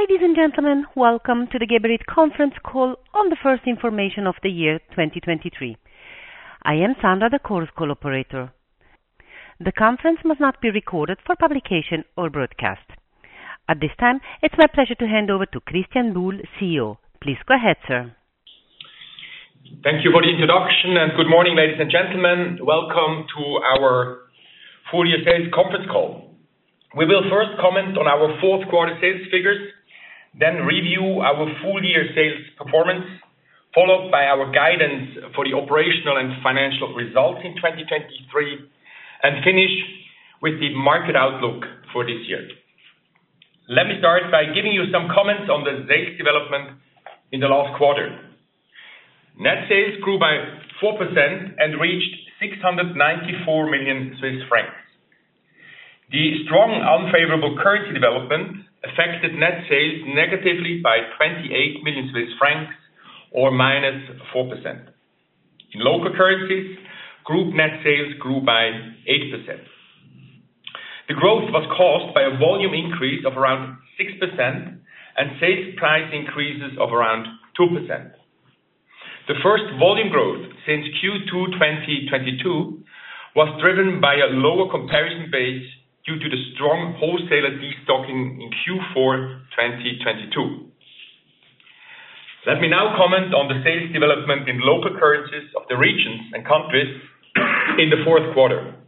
Ladies and gentlemen, welcome to the Geberit conference call on the first information of the year 2023. I am Sandra, the conference call operator. The conference must not be recorded for publication or broadcast. At this time, it's my pleasure to hand over to Christian Buhl, CEO. Please go ahead, sir. Thank you for the introduction, and good morning, ladies and gentlemen. Welcome to our full year sales conference call. We will first comment on our fourth quarter sales figures, then review our full year sales performance, followed by our guidance for the operational and financial results in 2023, and finish with the market outlook for this year. Let me start by giving you some comments on the sales development in the last quarter. Net sales grew by 4% and reached 694 million Swiss francs. The strong, unfavorable currency development affected net sales negatively by 28 million Swiss francs, or -4%. In local currencies, group net sales grew by 8%. The growth was caused by a volume increase of around 6% and sales price increases of around 2%. The first volume growth since Q2 2022 was driven by a lower comparison base due to the strong wholesaler destocking in Q4 2022. Let me now comment on the sales development in local currencies of the regions and countries in the fourth quarter.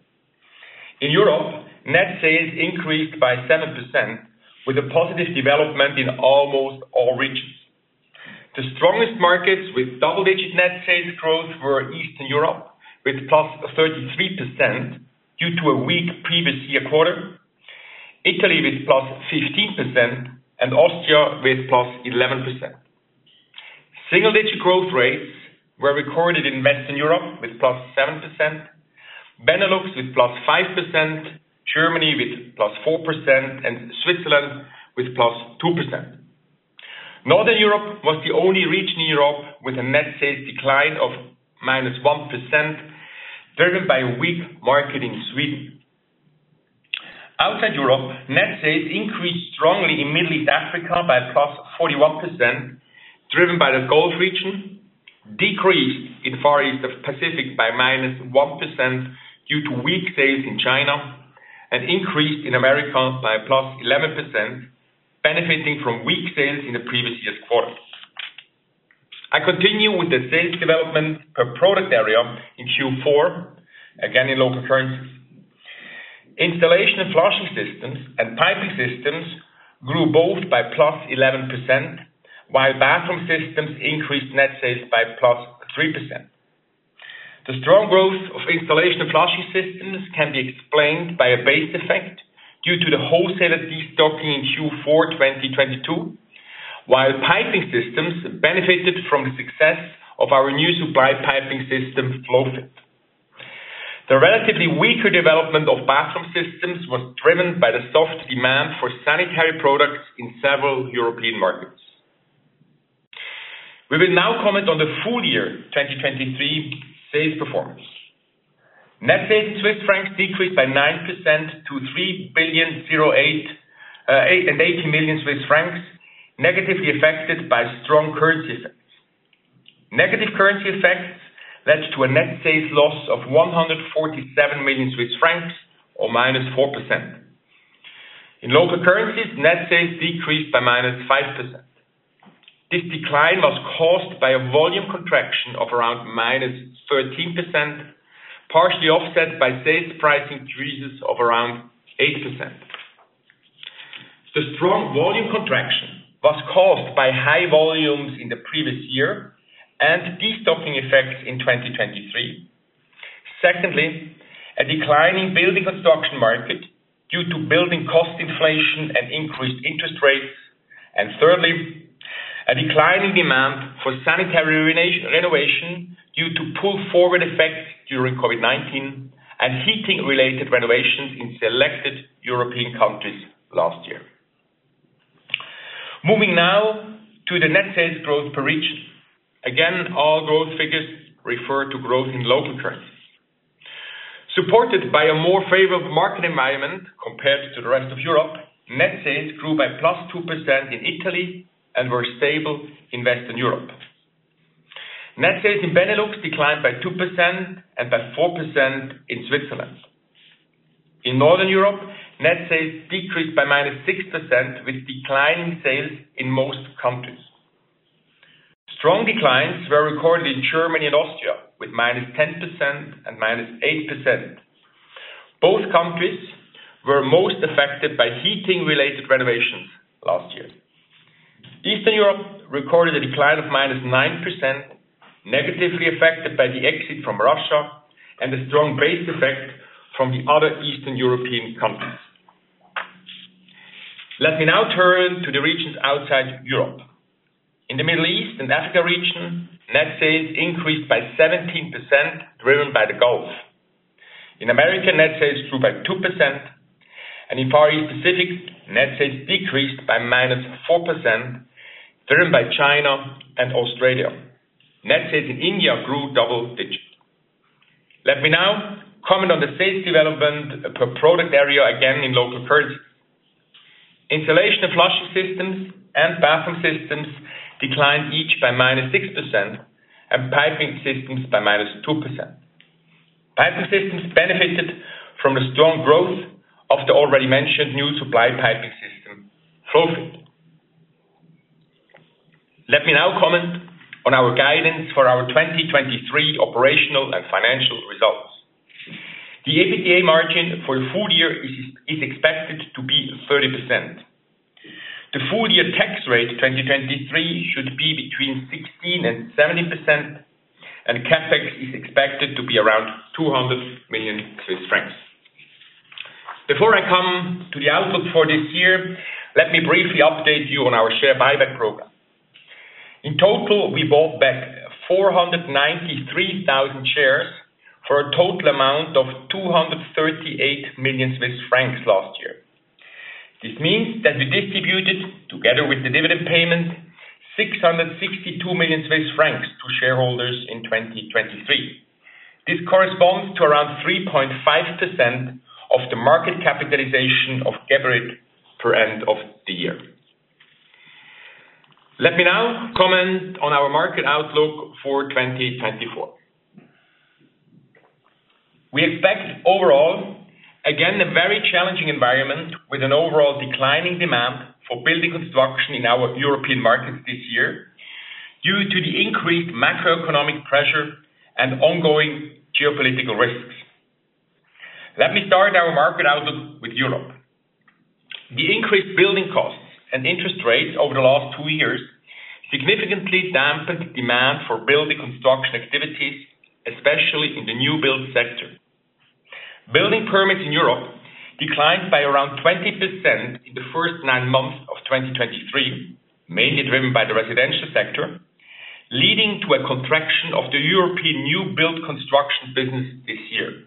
In Europe, net sales increased by 7% with a positive development in almost all regions. The strongest markets with double-digit net sales growth were Eastern Europe, with +33%, due to a weak previous year quarter, Italy with +15%, and Austria with +11%. Single digit growth rates were recorded in Western Europe with +7%, Benelux with +5%, Germany with +4%, and Switzerland with +2%. Northern Europe was the only region in Europe with a net sales decline of -1%, driven by a weak market in Sweden. Outside Europe, net sales increased strongly in Middle East Africa by +41%, driven by the Gulf region, decreased in Far East Pacific by -1% due to weak sales in China, and increased in America by +11%, benefiting from weak sales in the previous year's quarter. I continue with the sales development per product area in Q4, again, in local currencies. Installation of flushing systems and piping systems grew both by +11%, while bathroom systems increased net sales by +3%. The strong growth of installation of flushing systems can be explained by a base effect due to the wholesaler destocking in Q4 2022, while piping systems benefited from the success of our new supply piping system, FlowFit. The relatively weaker development of bathroom systems was driven by the soft demand for sanitary products in several European markets. We will now comment on the full year 2023 sales performance. Net sales Swiss francs decreased by 9% to 3,088.8 million Swiss francs, negatively affected by strong currency effects. Negative currency effects led to a net sales loss of 147 million Swiss francs, or -4%. In local currencies, net sales decreased by -5%. This decline was caused by a volume contraction of around -13%, partially offset by sales price increases of around 8%. The strong volume contraction was caused by high volumes in the previous year and destocking effects in 2023. Secondly, a decline in building construction market due to building cost inflation and increased interest rates. And thirdly, a decline in demand for sanitary renovation due to pull-forward effects during COVID-19 and heating-related renovations in selected European countries last year. Moving now to the net sales growth per region. Again, all growth figures refer to growth in local currencies. Supported by a more favorable market environment compared to the rest of Europe, net sales grew by +2% in Italy and were stable in Western Europe. Net sales in Benelux declined by 2% and by 4% in Switzerland. In Northern Europe, net sales decreased by -6%, with declining sales in most countries. Strong declines were recorded in Germany and Austria, with -10% and -8%. Both countries were most affected by heating-related renovations last year. Eastern Europe recorded a decline of -9%, negatively affected by the exit from Russia and a strong base effect from the other Eastern European countries. Let me now turn to the regions outside Europe. In the Middle East and Africa region, net sales increased by 17%, driven by the Gulf. In America, net sales grew by 2%, and in Far East Pacific, net sales decreased by -4%, driven by China and Australia. Net sales in India grew double digits. Let me now comment on the sales development per product area, again, in local currency. Installation and flushing systems and bathroom systems declined each by -6%, and piping systems by -2%. Piping systems benefited from a strong growth of the already mentioned new supply piping system, FlowFit. Let me now comment on our guidance for our 2023 operational and financial results. The EBITDA margin for full year is expected to be 30%. The full year tax rate, 2023, should be between 16% and 17%, and CapEx is expected to be around 200 million Swiss francs. Before I come to the outlook for this year, let me briefly update you on our share buyback program. In total, we bought back 493,000 shares for a total amount of 238 million Swiss francs last year. This means that we distributed, together with the dividend payment, 662 million Swiss francs to shareholders in 2023. This corresponds to around 3.5% of the market capitalization of Geberit per end of the year. Let me now comment on our market outlook for 2024. We expect overall, again, a very challenging environment, with an overall declining demand for building construction in our European markets this year, due to the increased macroeconomic pressure and ongoing geopolitical risks. Let me start our market outlook with Europe. The increased building costs and interest rates over the last two years significantly dampened demand for building construction activities, especially in the new build sector. Building permits in Europe declined by around 20% in the first nine months of 2023, mainly driven by the residential sector, leading to a contraction of the European new build construction business this year.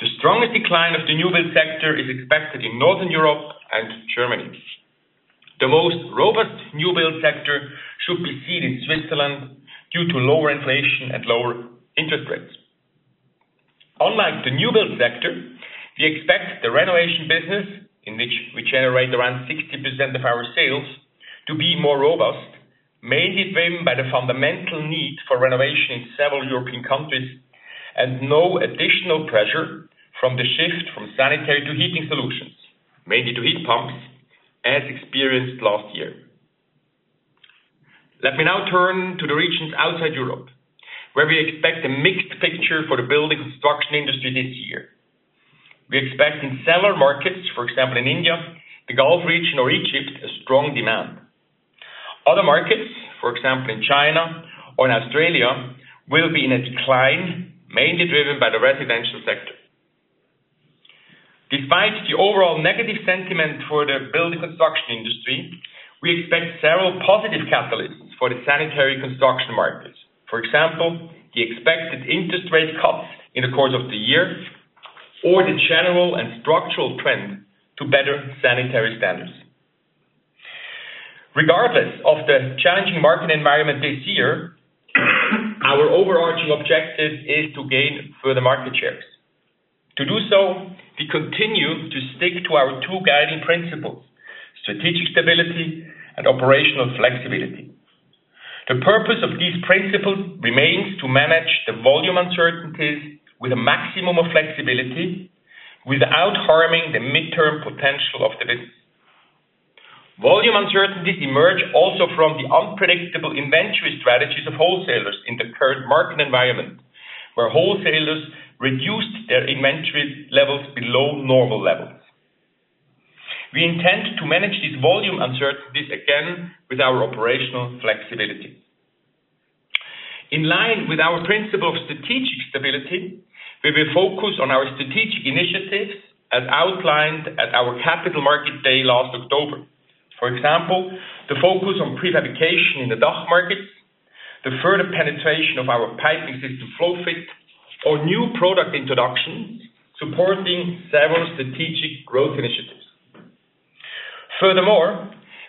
The strongest decline of the new build sector is expected in Northern Europe and Germany. The most robust new build sector should be seen in Switzerland due to lower inflation and lower interest rates. Unlike the new build sector, we expect the renovation business, in which we generate around 60% of our sales, to be more robust, mainly driven by the fundamental need for renovation in several European countries, and no additional pressure from the shift from sanitary to heating solutions, mainly to heat pumps, as experienced last year. Let me now turn to the regions outside Europe, where we expect a mixed picture for the building construction industry this year. We expect in several markets, for example, in India, the Gulf region, or Egypt, a strong demand. Other markets, for example, in China or in Australia, will be in a decline, mainly driven by the residential sector. Despite the overall negative sentiment for the building construction industry, we expect several positive catalysts for the sanitary construction markets. For example, the expected interest rate cuts in the course of the year or the general and structural trend to better sanitary standards. Regardless of the challenging market environment this year, our overarching objective is to gain further market shares. To do so, we continue to stick to our two guiding principles: strategic stability and operational flexibility. The purpose of these principles remains to manage the volume uncertainties with a maximum of flexibility, without harming the midterm potential of the business. Volume uncertainties emerge also from the unpredictable inventory strategies of wholesalers in the current market environment, where wholesalers reduced their inventory levels below normal levels. We intend to manage these volume uncertainties again with our operational flexibility. In line with our principle of strategic stability, we will focus on our strategic initiatives as outlined at our Capital Market Day last October. For example, the focus on prefabrication in the DACH market, the further penetration of our piping system, FlowFit, or new product introduction, supporting several strategic growth initiatives. Furthermore,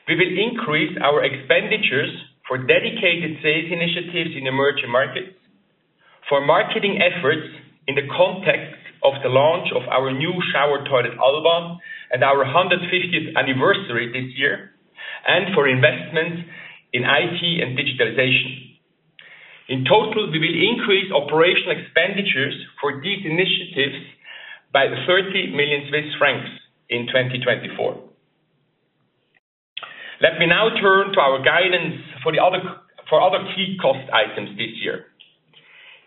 we will increase our expenditures for dedicated sales initiatives in emerging markets, for marketing efforts in the context of the launch of our new shower toilet, Alba, and our 150th anniversary this year, and for investments in IT and digitalization. In total, we will increase operational expenditures for these initiatives by 30 million Swiss francs in 2024. Let me now turn to our guidance for other key cost items this year.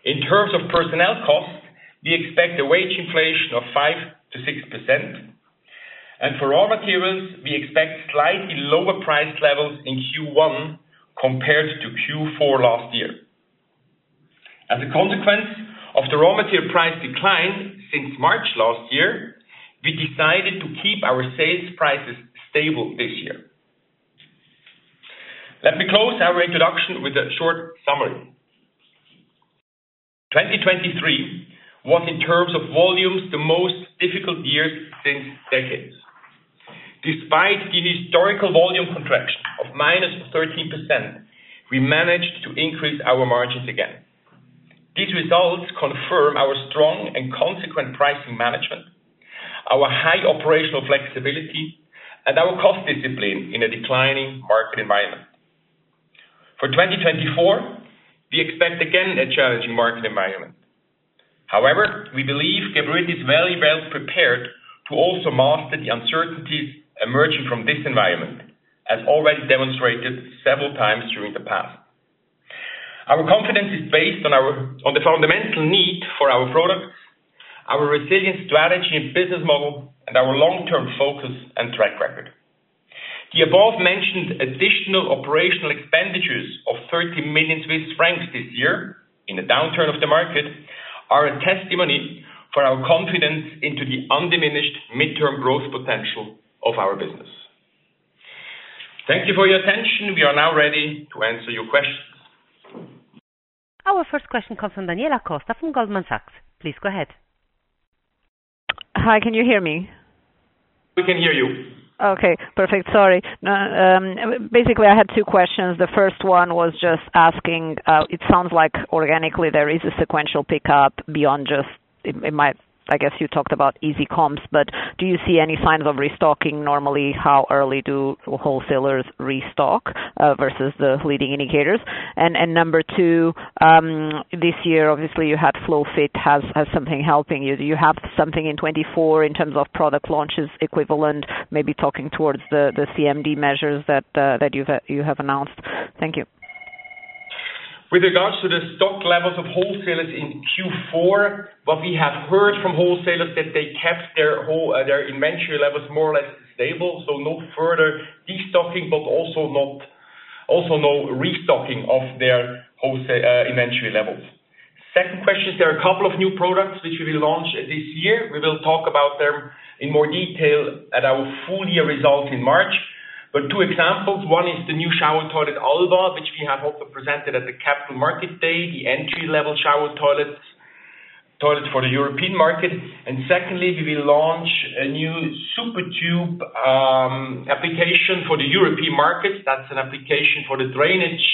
In terms of personnel costs, we expect a wage inflation of 5%-6%, and for raw materials, we expect slightly lower price levels in Q1 compared to Q4 last year. As a consequence of the raw material price decline since March last year, we decided to keep our sales prices stable this year. Let me close our introduction with a short summary. 2023 was, in terms of volumes, the most difficult year since decades. Despite the historical volume contraction of -13%, we managed to increase our margins again. These results confirm our strong and consequent pricing management, our high operational flexibility, and our cost discipline in a declining market environment. For 2024, we expect again a challenging market environment. However, we believe Geberit is very well prepared to also master the uncertainties emerging from this environment, as already demonstrated several times during the past. Our confidence is based on our, on the fundamental need for our products, our resilient strategy and business model, and our long-term focus and track record. The above mentioned additional operational expenditures of 30 million Swiss francs this year, in the downturn of the market, are a testimony for our confidence into the undiminished mid-term growth potential of our business. Thank you for your attention. We are now ready to answer your questions. Our first question comes from Daniela Costa from Goldman Sachs. Please go ahead. Hi, can you hear me? We can hear you. Okay, perfect. Sorry. Basically, I had two questions. The first one was just asking, it sounds like organically there is a sequential pickup beyond just it, it might. I guess you talked about easy comps, but do you see any signs of restocking? Normally, how early do wholesalers restock versus the leading indicators? And number two, this year, obviously, you had FlowFit has something helping you. Do you have something in 2024 in terms of product launches equivalent, maybe talking towards the, the CMD measures that that you have, you have announced? Thank you. With regards to the stock levels of wholesalers in Q4, what we have heard from wholesalers, that they kept their whole, their inventory levels more or less stable. So no further destocking, but also not, also no restocking of their wholesale, inventory levels. Second question, there are a couple of new products which we will launch this year. We will talk about them in more detail at our full-year results in March. But two examples, one is the new shower toilet, Alba, which we have also presented at the Capital Market Day, the entry-level shower toilets, toilet for the European market. And secondly, we will launch a new SuperTube application for the European market. That's an application for the drainage,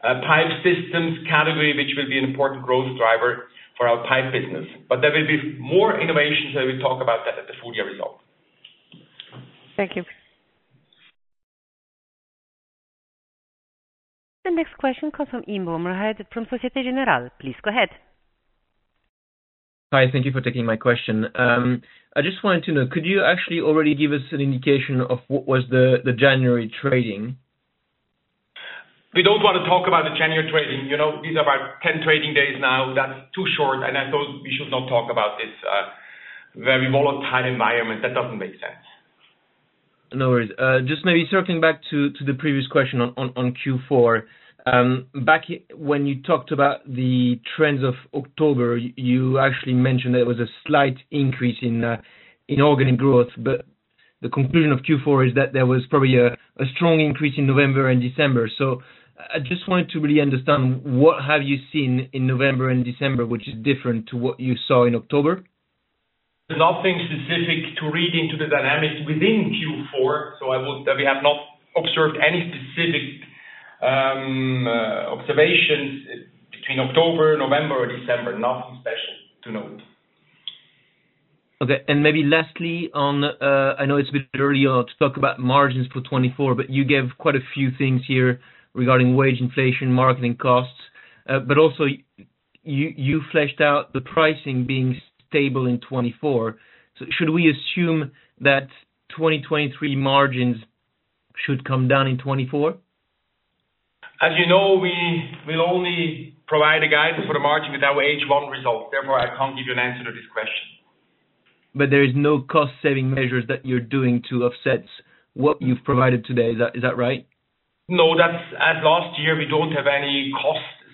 pipe systems category, which will be an important growth driver for our pipe business. There will be more innovations that we'll talk about at the full year result. Thank you. The next question comes from Elodie Rall from Société Générale. Please go ahead. Hi, thank you for taking my question. I just wanted to know, could you actually already give us an indication of what was the January trading? We don't want to talk about the January trading. You know, these are about 10 trading days now. That's too short, and I thought we should not talk about this very volatile environment. That doesn't make sense. No worries. Just maybe circling back to the previous question on Q4. Back when you talked about the trends of October, you actually mentioned there was a slight increase in organic growth, but the conclusion of Q4 is that there was probably a strong increase in November and December. So I just wanted to really understand, what have you seen in November and December, which is different to what you saw in October? There's nothing specific to read into the dynamics within Q4, so I would say we have not observed any specific observations between October, November, or December. Nothing special to note. Okay, and maybe lastly, on, I know it's a bit early on to talk about margins for 2024, but you gave quite a few things here regarding wage inflation, marketing costs, but also you, you fleshed out the pricing being stable in 2024. So should we assume that 2023 margins should come down in 2024? As you know, we will only provide a guide for the margin with our H1 result. Therefore, I can't give you an answer to this question. But there is no cost-saving measures that you're doing to offset what you've provided today, is that, is that right? No, that's as last year, we don't have any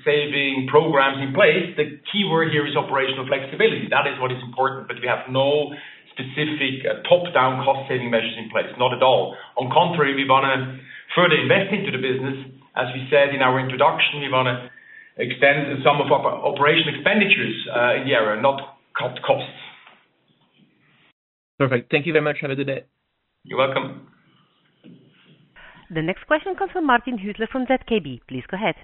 cost-saving programs in place. The key word here is operational flexibility. That is what is important, but we have no specific top-down cost-saving measures in place. Not at all. On contrary, we want to further invest into the business. As we said in our introduction, we want to extend some of our operational expenditures in the area, not cut costs. Perfect. Thank you very much. Have a good day. You're welcome. The next question comes from Martin Hüsler from ZKB. Please go ahead.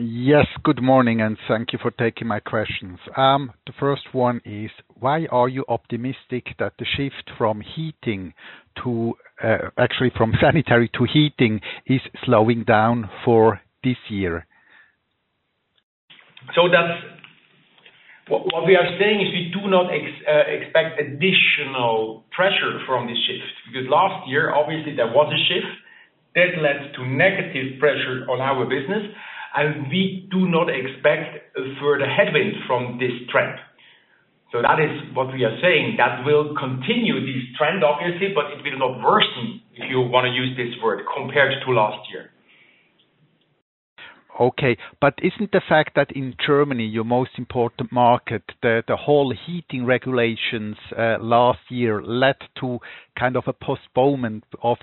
Yes, good morning, and thank you for taking my questions. The first one is, why are you optimistic that the shift from heating to, actually from sanitary to heating is slowing down for this year? So that's what we are saying is we do not expect additional pressure from this shift, because last year, obviously there was a shift that led to negative pressure on our business, and we do not expect further headwinds from this trend. So that is what we are saying. That will continue this trend, obviously, but it will not worsen, if you want to use this word, compared to last year. Okay, but isn't the fact that in Germany, your most important market, the whole heating regulations last year led to kind of a postponement of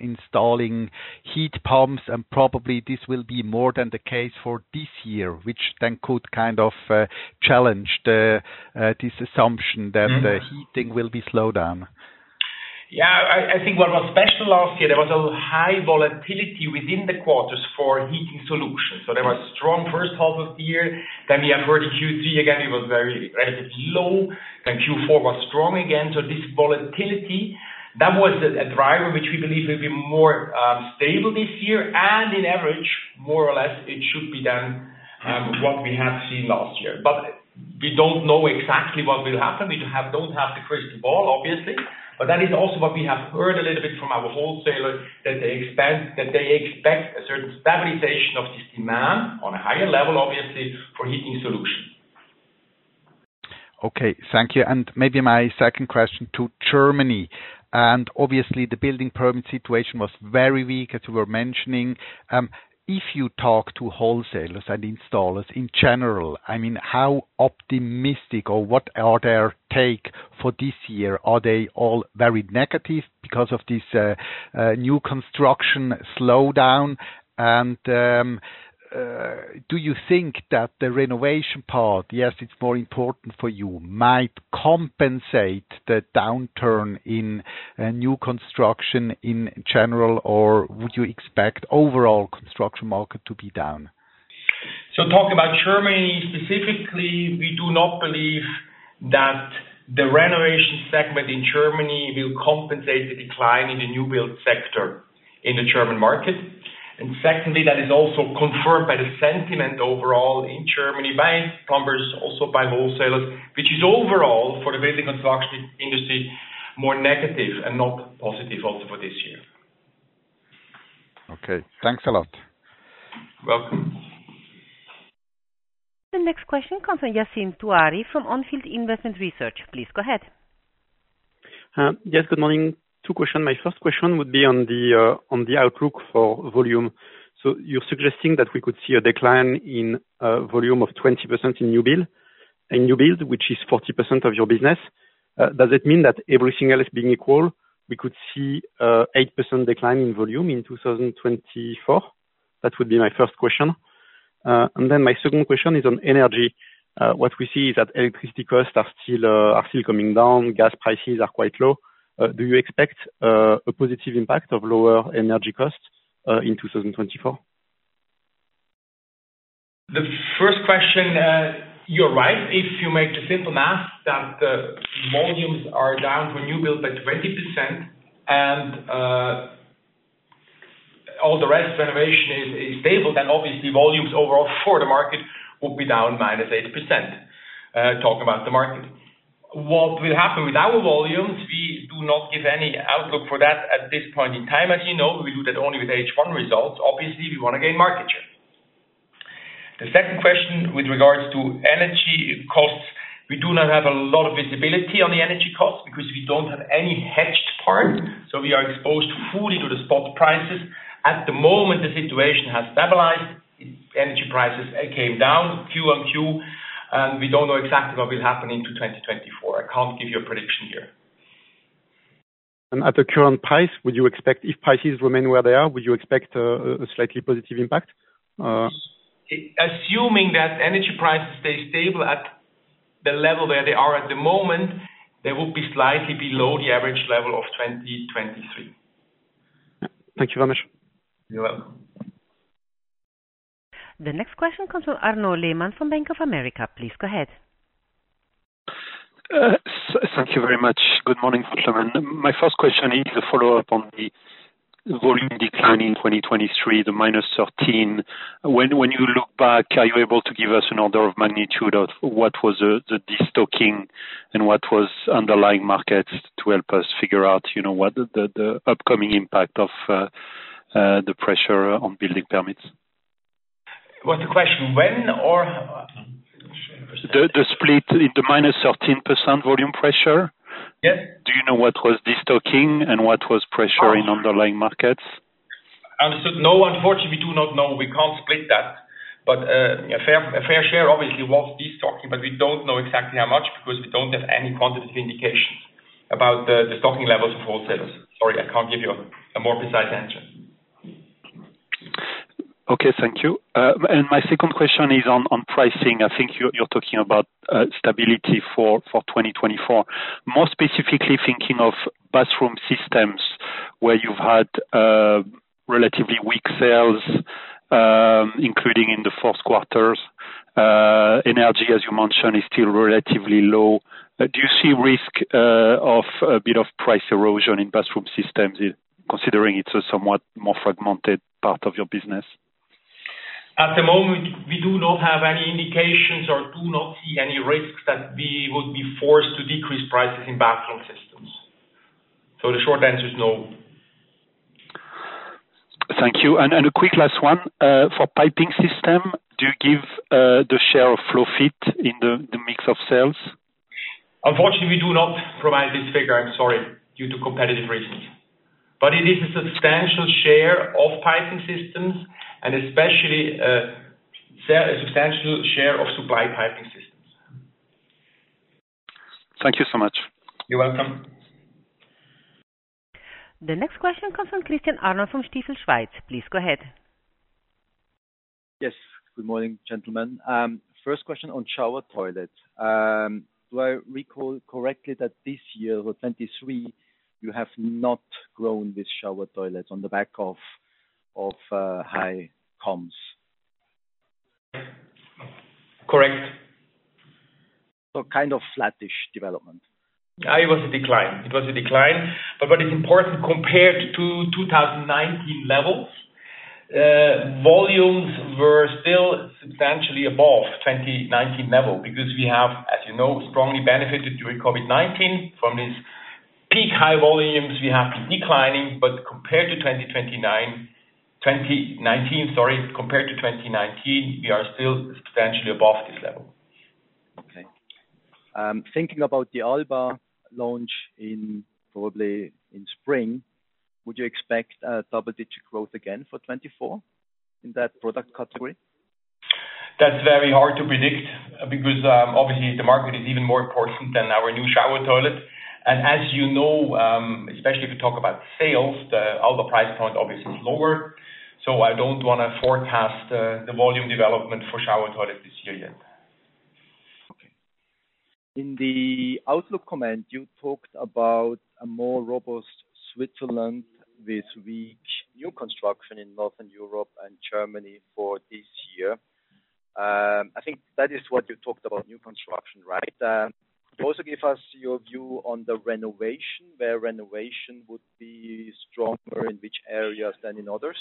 installing heat pumps, and probably this will be more than the case for this year, which then could kind of challenge this assumption that- Mm-hmm. the heating will be slowed down? ... Yeah, I think what was special last year, there was a high volatility within the quarters for heating solutions. So there was strong first half of the year, then we have heard Q3 again, it was very relatively low, and Q4 was strong again. So this volatility, that was a driver, which we believe will be more stable this year, and in average, more or less, it should be than what we have seen last year. But we don't know exactly what will happen. We don't have the crystal ball, obviously, but that is also what we have heard a little bit from our wholesalers, that they expect a certain stabilization of this demand on a higher level, obviously, for heating solutions. Okay, thank you. And maybe my second question to Germany, and obviously the building permit situation was very weak, as you were mentioning. If you talk to wholesalers and installers in general, I mean, how optimistic or what are their take for this year? Are they all very negative because of this new construction slowdown? And do you think that the renovation part, yes, it's more important for you, might compensate the downturn in new construction in general, or would you expect overall construction market to be down? Talking about Germany specifically, we do not believe that the renovation segment in Germany will compensate the decline in the new build sector in the German market. Secondly, that is also confirmed by the sentiment overall in Germany, by plumbers, also by wholesalers, which is overall, for the building construction industry, more negative and not positive also for this year. Okay, thanks a lot. Welcome. The next question comes from Yassine Touahri, from On Field Investment Research. Please go ahead. Yes, good morning. Two question. My first question would be on the, on the outlook for volume. So you're suggesting that we could see a decline in, volume of 20% in new build, in new build, which is 40% of your business. Does it mean that everything else being equal, we could see, 8% decline in volume in 2024? That would be my first question. And then my second question is on energy. What we see is that electricity costs are still, are still coming down, gas prices are quite low. Do you expect, a positive impact of lower energy costs, in 2024? The first question, you're right. If you make the simple math that the volumes are down for new build by 20%, and, all the rest renovation is, is stable, then obviously volumes overall for the market will be down -8%, talking about the market. What will happen with our volumes, we do not give any outlook for that at this point in time. As you know, we do that only with H1 results. Obviously, we wanna gain market share. The second question with regards to energy costs, we do not have a lot of visibility on the energy costs because we don't have any hedged part, so we are exposed fully to the spot prices. At the moment, the situation has stabilized, energy prices came down Q on Q, and we don't know exactly what will happen into 2024. I can't give you a prediction here. At the current price, would you expect, if prices remain where they are, would you expect a slightly positive impact? Assuming that energy prices stay stable at the level where they are at the moment, they will be slightly below the average level of 2023. Thank you very much. You're welcome. The next question comes from Arnaud Lehmann from Bank of America. Please go ahead. Thank you very much. Good morning, gentlemen. My first question is a follow-up on the volume decline in 2023, the -13%. When you look back, are you able to give us an order of magnitude of what was the destocking, and what was underlying markets, to help us figure out, you know, what the upcoming impact of the pressure on building permits? What's the question? When or The split in the -13% volume pressure. Yes. Do you know what was destocking, and what was pressure in underlying markets? Understood. No, unfortunately, we do not know. We can't split that. But a fair share obviously was destocking, but we don't know exactly how much, because we don't have any quantitative indications about the stocking levels of wholesalers. Sorry, I can't give you a more precise answer. Okay, thank you. And my second question is on pricing. I think you're talking about stability for 2024. More specifically thinking of bathroom systems, where you've had relatively weak sales, including in the fourth quarters. Energy, as you mentioned, is still relatively low. Do you see risk of a bit of price erosion in bathroom systems, considering it's a somewhat more fragmented part of your business? At the moment, we do not have any indications or do not see any risks that we would be forced to decrease prices in bathroom systems. So the short answer is no. Thank you. A quick last one, for the piping system, do you give the share of FlowFit in the mix of sales? Unfortunately, we do not provide this figure, I'm sorry, due to competitive reasons. But it is a substantial share of piping systems, and especially, a substantial share of supply piping systems. Thank you so much. You're welcome. The next question comes from Christian Arnold from Stifel Schweiz. Please go ahead. Yes. Good morning, gentlemen. First question on shower toilet. Do I recall correctly that this year, with 2023, you have not grown with shower toilets on the back of high comps? Correct. So kind of flattish development? It was a decline. It was a decline, but what is important, compared to 2019 levels, volumes were still substantially above 2019 level. Because we have, as you know, strongly benefited during COVID-19. From these peak high volumes, we have been declining, but compared to 2029, 2019, sorry. Compared to 2019, we are still substantially above this level. Okay. Thinking about the Alba launch in probably in spring, would you expect double-digit growth again for 2024 in that product category? That's very hard to predict because obviously, the market is even more important than our new shower toilet. As you know, especially if you talk about sales, the Alba price point obviously is lower. I don't want to forecast the volume development for shower toilet this year yet. Okay. In the outlook comment, you talked about a more robust Switzerland, with weak new construction in Northern Europe and Germany for this year. I think that is what you talked about, new construction, right? Could you also give us your view on the renovation, where renovation would be stronger in which areas than in others?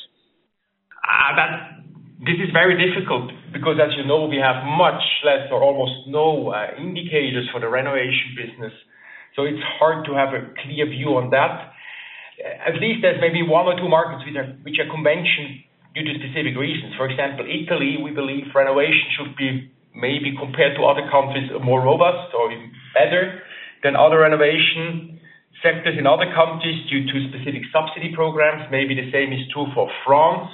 This is very difficult because as you know, we have much less or almost no indicators for the renovation business, so it's hard to have a clear view on that. At least there's maybe one or two markets which are conventional due to specific reasons. For example, Italy, we believe renovation should be, maybe compared to other countries, more robust or even better than other renovation sectors in other countries due to specific subsidy programs. Maybe the same is true for France,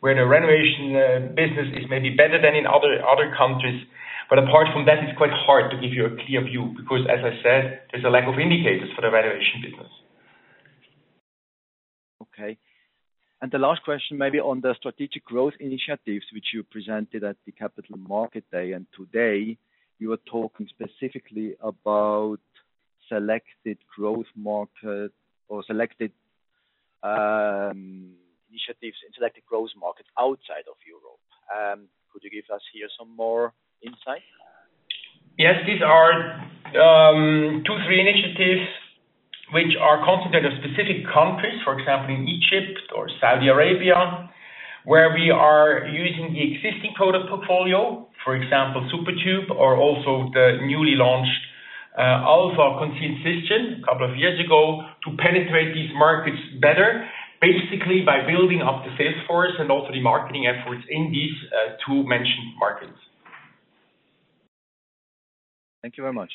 where the renovation business is maybe better than in other countries. But apart from that, it's quite hard to give you a clear view, because as I said, there's a lack of indicators for the renovation business. Okay. And the last question, maybe on the strategic growth initiatives which you presented at the Capital Market Day, and today you were talking specifically about selected growth market or selected, initiatives and selected growth markets outside of Europe. Could you give us here some more insight? Yes. These are two, three initiatives which are concentrated on specific countries, for example, in Egypt or Saudi Arabia, where we are using the existing product portfolio. For example, SuperTube or also the newly launched Alpha concealed system a couple of years ago, to penetrate these markets better, basically by building up the sales force and also the marketing efforts in these two mentioned markets. Thank you very much.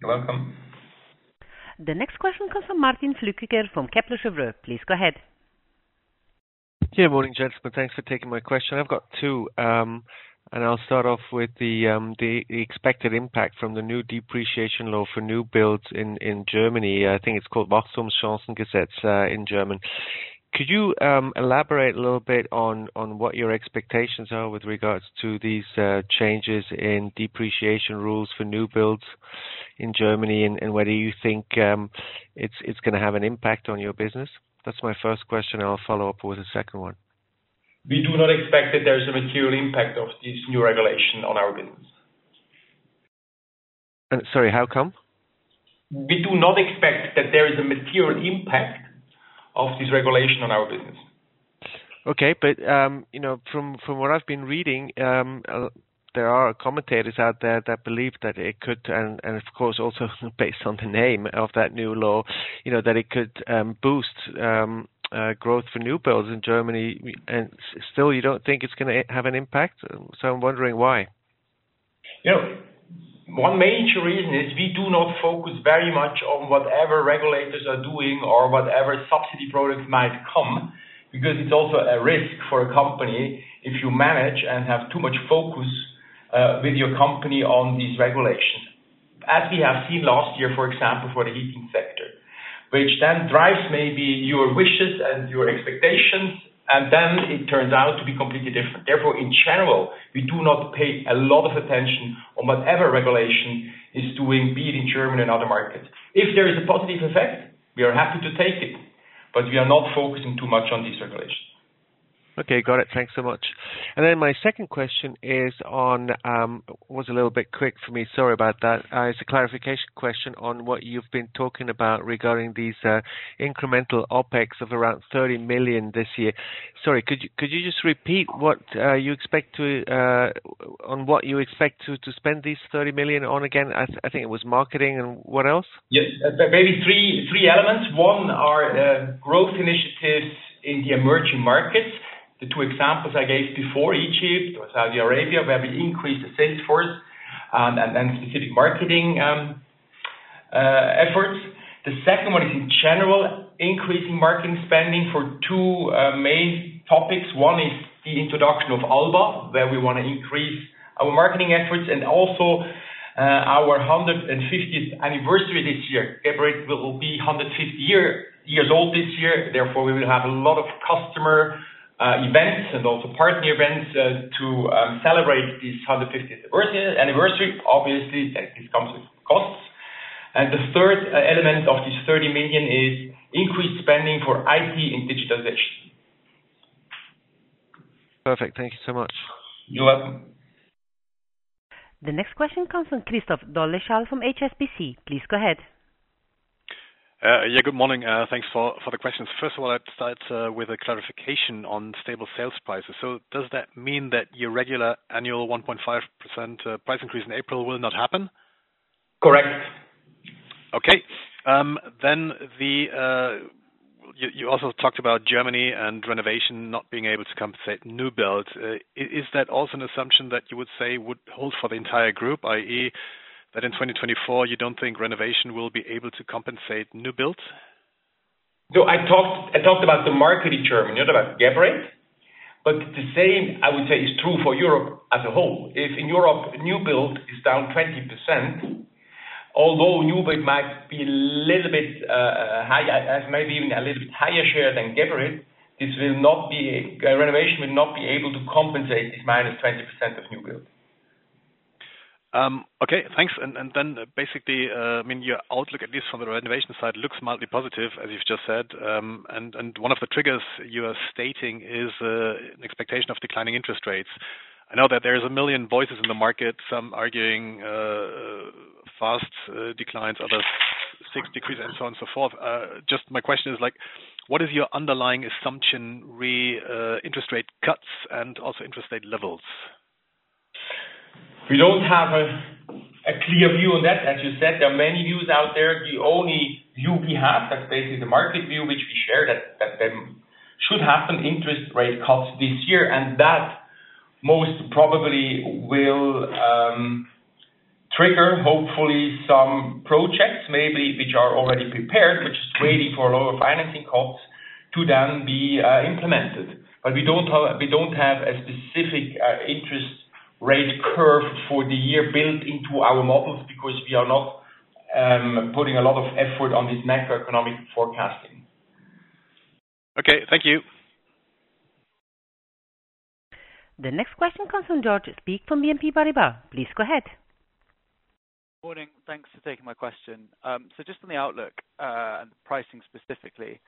You're welcome. The next question comes from Martin Flueckiger from Kepler Cheuvreux. Please go ahead. Good morning, gentlemen. Thanks for taking my question. I've got two, and I'll start off with the expected impact from the new depreciation law for new builds in Germany. I think it's called Wachstumschancengesetz in German. Could you elaborate a little bit on what your expectations are with regards to these changes in depreciation rules for new builds in Germany and whether you think it's gonna have an impact on your business? That's my first question, and I'll follow up with a second one. We do not expect that there is a material impact of this new regulation on our business. Sorry, how come? We do not expect that there is a material impact of this regulation on our business. Okay, but, you know, from what I've been reading, there are commentators out there that believe that it could, and, of course, also based on the name of that new law, you know, that it could, boost growth for new builds in Germany, and still, you don't think it's gonna have an impact? So I'm wondering why. You know, one major reason is we do not focus very much on whatever regulators are doing or whatever subsidy products might come, because it's also a risk for a company if you manage and have too much focus with your company on these regulations. As we have seen last year, for example, for the heating sector, which then drives maybe your wishes and your expectations, and then it turns out to be completely different. Therefore, in general, we do not pay a lot of attention on whatever regulation is doing, be it in Germany and other markets. If there is a positive effect, we are happy to take it, but we are not focusing too much on these regulations. Okay, got it. Thanks so much. Then my second question is on, was a little bit quick for me, sorry about that. It's a clarification question on what you've been talking about regarding these incremental OpEx of around 30 million this year. Sorry, could you, could you just repeat what you expect to, on what you expect to, to spend these 30 million on again? I think it was marketing and what else? Yes. There may be three elements. One is growth initiatives in the emerging markets. The two examples I gave before, Egypt or Saudi Arabia, where we increased the sales force and then specific marketing efforts. The second one is in general increasing marketing spending for two main topics. One is the introduction of Alba, where we want to increase our marketing efforts and also our 150th anniversary this year. Geberit will be 150 years old this year. Therefore, we will have a lot of customer events and also partner events to celebrate this 150th anniversary. Obviously, that this comes with costs. And the third element of this 30 million is increased spending for IT and digitalization. Perfect. Thank you so much. You're welcome. The next question comes from Christoph Dolleschal from HSBC. Please go ahead. Yeah, good morning. Thanks for the questions. First of all, I'd start with a clarification on stable sales prices. So does that mean that your regular annual 1.5% price increase in April will not happen? Correct. Okay. Then you also talked about Germany and renovation not being able to compensate new builds. Is that also an assumption that you would say would hold for the entire group, i.e., that in 2024 you don't think renovation will be able to compensate new builds? No, I talked, I talked about the market in Germany, not about Geberit, but the same, I would say, is true for Europe as a whole. If in Europe, new build is down 20%, although new build might be a little bit high, maybe even a little bit higher share than Geberit, this will not be... renovation will not be able to compensate this minus 20% of new build. Okay, thanks. And then basically, I mean, your outlook, at least from the renovation side, looks mildly positive, as you've just said. And one of the triggers you are stating is an expectation of declining interest rates. I know that there's a million voices in the market, some arguing fast declines, others six decrease, and so on and so forth. Just my question is like, what is your underlying assumption interest rate cuts and also interest rate levels? We don't have a clear view on that. As you said, there are many views out there. The only view we have, that's basically the market view, which we share, that there should have some interest rate cuts this year, and that most probably will trigger, hopefully, some projects, maybe which are already prepared, which is waiting for lower financing costs to then be implemented. But we don't have, we don't have a specific interest rate curve for the year built into our models because we are not putting a lot of effort on this macroeconomic forecasting. Okay, thank you. The next question comes from George Maycock from BNP Paribas. Please go ahead. Morning. Thanks for taking my question. So just on the outlook, and pricing specifically,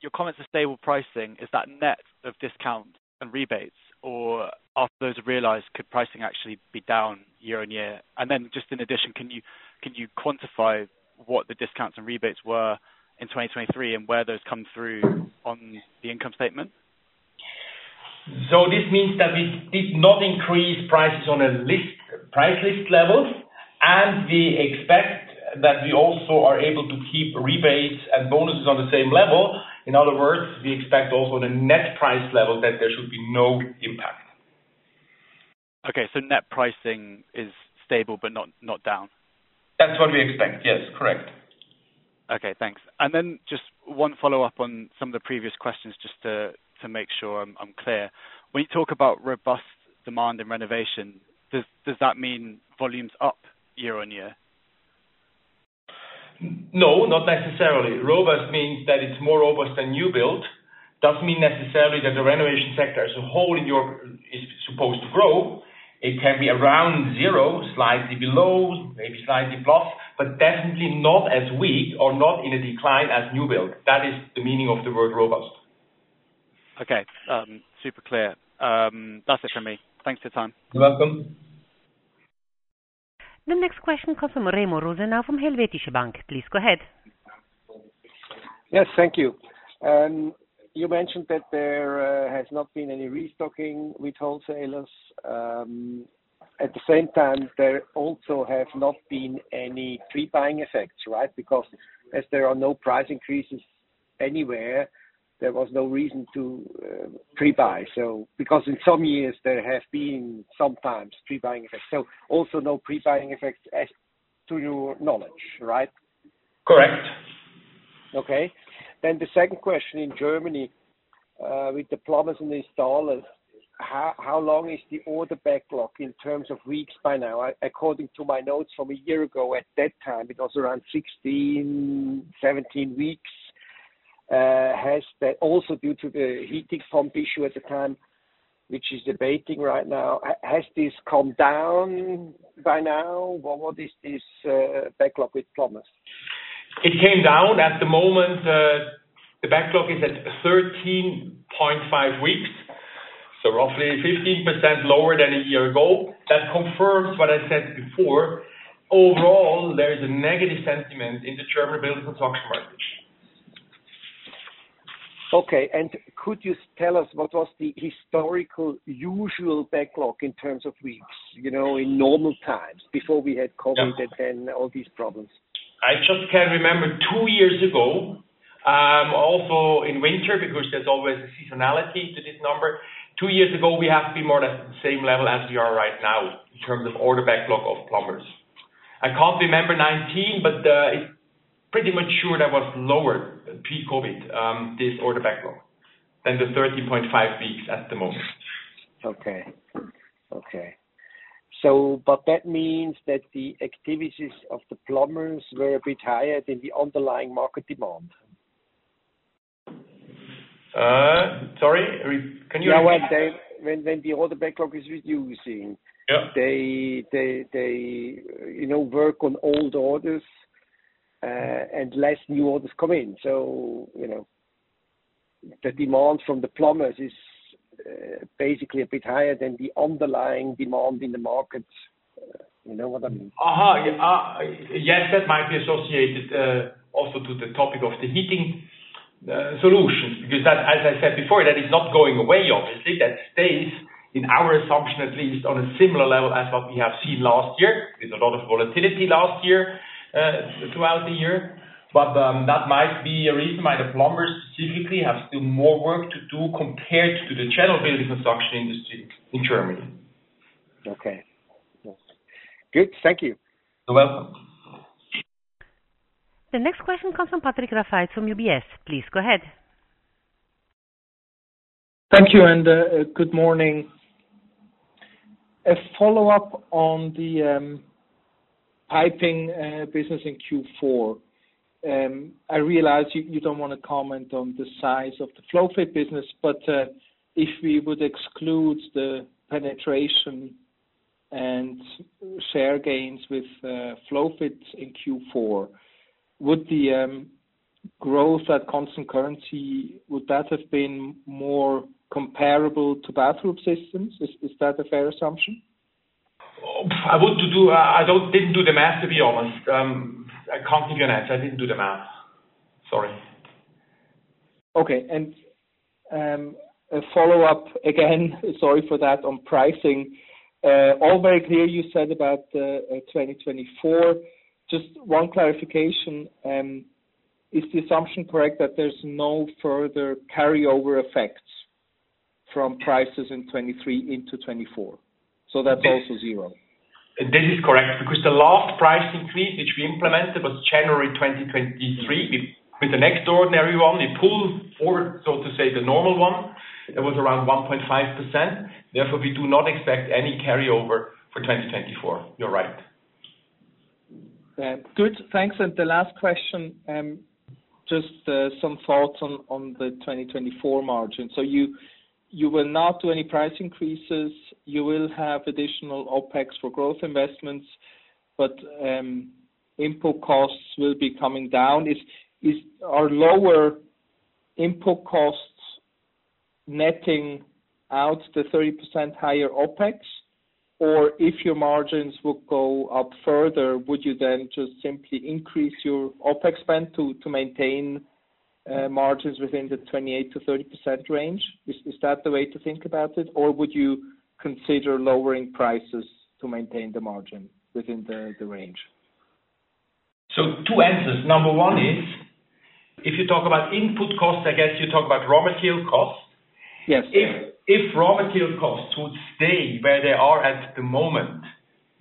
your comments on stable pricing, is that net of discounts and rebates, or after those are realized, could pricing actually be down year on year? And then just in addition, can you quantify what the discounts and rebates were in 2023 and where those come through on the income statement? This means that we did not increase prices on a list price list level, and we expect that we also are able to keep rebates and bonuses on the same level. In other words, we expect also the net price level, that there should be no impact. Okay, so net pricing is stable, but not down? That's what we expect. Yes, correct. Okay, thanks. And then just one follow-up on some of the previous questions, just to make sure I'm clear. When you talk about robust demand and renovation, does that mean volumes up year on year? No, not necessarily. Robust means that it's more robust than new build, doesn't mean necessarily that the renovation sector as a whole in Europe is supposed to grow. It can be around zero, slightly below, maybe slightly above, but definitely not as weak or not in a decline as new build. That is the meaning of the word robust. Okay. Super clear. That's it for me. Thanks for your time. You're welcome. The next question comes from Remo Rosenau from Helvetische Bank. Please go ahead. Yes, thank you. You mentioned that there has not been any restocking with wholesalers. At the same time, there also have not been any pre-buying effects, right? Because as there are no price increases anywhere, there was no reason to pre-buy. So because in some years there have been sometimes pre-buying effects, so also no pre-buying effects as to your knowledge, right? Correct. Okay. Then the second question in Germany, with the plumbers and the installers, how long is the order backlog in terms of weeks by now? According to my notes from a year ago, at that time, it was around 16, 17 weeks. Has that also due to the heat pump issue at the time, which is being debated right now, has this calmed down by now? What is this backlog with plumbers? It came down. At the moment, the backlog is at 13.5 weeks, so roughly 15% lower than a year ago. That confirms what I said before. Overall, there is a negative sentiment in the German building materials market. Okay. Could you tell us what was the historical usual backlog in terms of weeks, you know, in normal times before we had- Yeah COVID and then all these problems? I just can remember two years ago, also in winter, because there's always a seasonality to this number. Two years ago, we have to be more or less the same level as we are right now in terms of order backlog of plumbers. I can't remember 2019, but, it's pretty much sure that was lower pre-COVID, this order backlog, than the 13.5 weeks at the moment. Okay. Okay. So, but that means that the activities of the plumbers were a bit higher than the underlying market demand? Sorry, can you- Yeah, when the order backlog is reducing- Yep. They, you know, work on old orders, and less new orders come in. So, you know, the demand from the plumbers is basically a bit higher than the underlying demand in the markets. You know what I mean? Yes, that might be associated also to the topic of the heating solution, because as I said before, that is not going away, obviously, that stays in our assumption, at least on a similar level as what we have seen last year. There's a lot of volatility last year throughout the year, but that might be a reason why the plumbers specifically have still more work to do compared to the general building construction industry in Germany. Okay. Good. Thank you. You're welcome. The next question comes from Patrick Rafaisz from UBS. Please go ahead. Thank you, and good morning. A follow-up on the piping business in Q4. I realize you don't want to comment on the size of the FlowFit business, but if we would exclude the penetration and share gains with FlowFits in Q4, would the growth at constant currency have been more comparable to bathroom systems? Is that a fair assumption? I don't, didn't do the math, to be honest. I can't give you an answer. I didn't do the math. Sorry. Okay. And, a follow-up again, sorry for that, on pricing. All very clear, you said about the 2024. Just one clarification, is the assumption correct that there's no further carryover effects from prices in 2023 into 2024? So that's also zero. This is correct, because the last price increase, which we implemented, was January 2023. With an extraordinary one, it pulled forward, so to say, the normal one, it was around 1.5%. Therefore, we do not expect any carryover for 2024. You're right. Good. Thanks. And the last question, just, some thoughts on the 2024 margin. So you will not do any price increases, you will have additional OpEx for growth investments, but input costs will be coming down. Are lower input costs netting out the 30% higher OpEx? Or if your margins will go up further, would you then just simply increase your OpEx spend to maintain margins within the 28%-30% range? Is that the way to think about it? Or would you consider lowering prices to maintain the margin within the range? Two answers. Number one is, if you talk about input costs, I guess you talk about raw material costs. Yes. If raw material costs would stay where they are at the moment,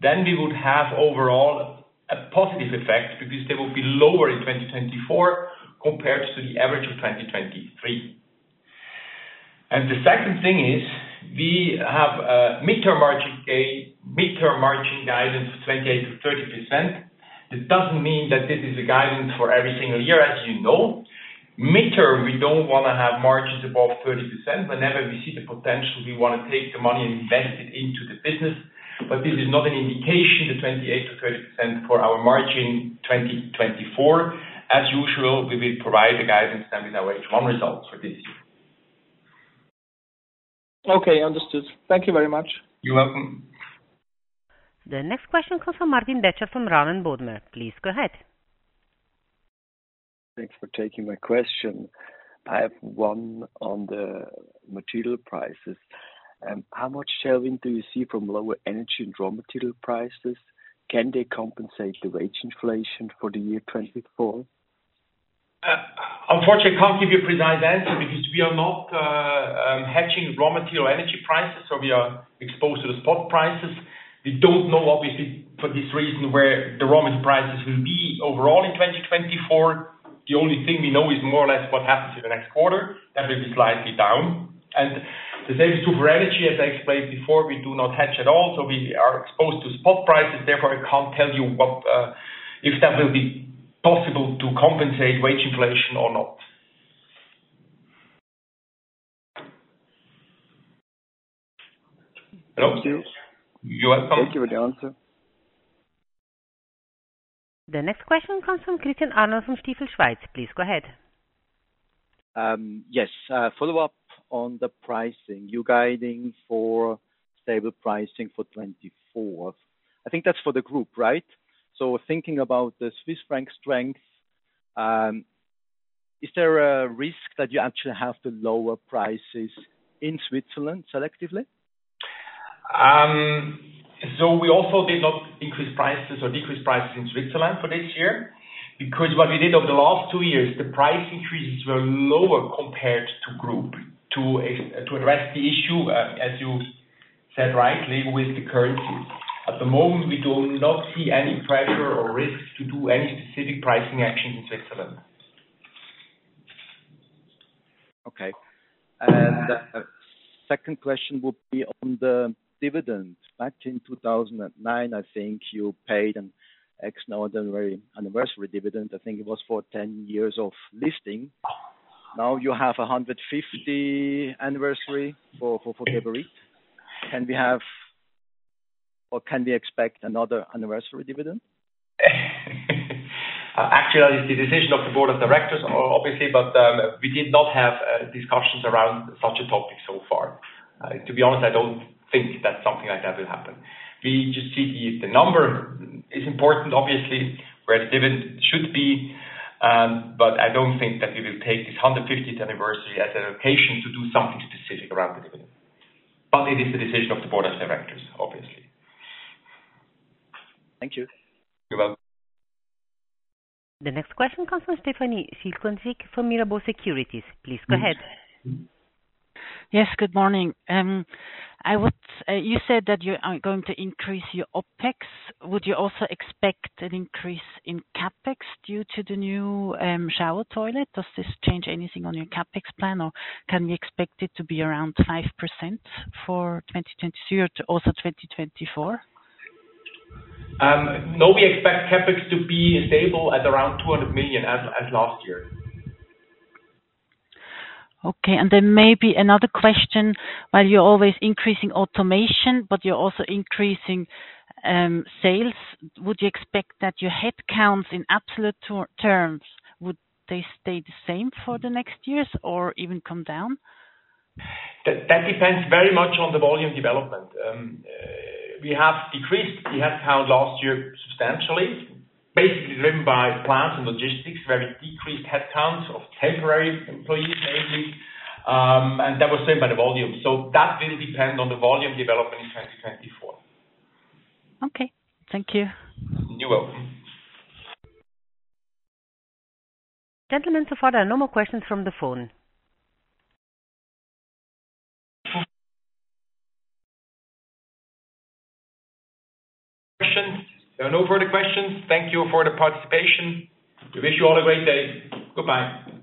then we would have overall a positive effect because they will be lower in 2024 compared to the average of 2023. And the second thing is, we have a mid-term margin, a mid-term margin guidance of 28%-30%. It doesn't mean that this is a guidance for every single year, as you know. Mid-term, we don't want to have margins above 30%. Whenever we see the potential, we want to take the money and invest it into the business. But this is not an indication, the 28%-30% for our margin 2024. As usual, we will provide the guidance then with our H1 results for this year. Okay, understood. Thank you very much. You're welcome. The next question comes from Martin Becker, from Raiffeisen Bank. Please go ahead. Thanks for taking my question. I have one on the material prices. How much shelving do you see from lower energy and raw material prices? Can they compensate the wage inflation for the year 2024? Unfortunately, I can't give you a precise answer because we are not hedging raw material energy prices, so we are exposed to the spot prices. We don't know, obviously, for this reason, where the raw material prices will be overall in 2024. The only thing we know is more or less what happens in the next quarter, that will be slightly down. And the same is true for energy, as I explained before, we do not hedge at all, so we are exposed to spot prices. Therefore, I can't tell you what if that will be possible to compensate wage inflation or not. Thank you. You're welcome. Thank you for the answer. The next question comes from Christian Arnold, from Stifel Schweiz. Please go ahead. Yes, follow-up on the pricing. You're guiding for stable pricing for 2024. I think that's for the group, right? So thinking about the Swiss franc strength, is there a risk that you actually have to lower prices in Switzerland selectively? So we also did not increase prices or decrease prices in Switzerland for this year, because what we did over the last two years, the price increases were lower compared to group to address the issue, as you said rightly, with the currencies. At the moment, we do not see any pressure or risk to do any specific pricing actions in Switzerland. Okay. Second question would be on the dividend. Back in 2009, I think you paid an extraordinary anniversary dividend. I think it was for 10 years of listing. Now you have a 150th anniversary for Geberit. Can we have, or can we expect another anniversary dividend? Actually, it's the decision of the board of directors, obviously, but we did not have discussions around such a topic so far. To be honest, I don't think that something like that will happen. We just see if the number is important, obviously, where the dividend should be, but I don't think that we will take this 150 anniversary as an occasion to do something specific around the dividend. But it is the decision of the board of directors, obviously. Thank you. You're welcome. The next question comes from Stephanie Antezak from Mirabaud Securities. Please go ahead. Yes, good morning. You said that you are going to increase your OpEx. Would you also expect an increase in CapEx due to the new shower toilet? Does this change anything on your CapEx plan, or can we expect it to be around 5% for 2022 or to also 2024? No, we expect CapEx to be stable at around 200 million, as, as last year. Okay, and then maybe another question. While you're always increasing automation, but you're also increasing sales, would you expect that your headcounts in absolute terms would they stay the same for the next years or even come down? That, that depends very much on the volume development. We have decreased the headcount last year substantially, basically driven by plants and logistics, very decreased headcounts of temporary employees, maybe. And that was saved by the volume. So that will depend on the volume development in 2024. Okay. Thank you. You're welcome. Gentlemen, so far, there are no more questions from the phone. Questions? There are no further questions. Thank you for the participation. We wish you all a great day. Goodbye.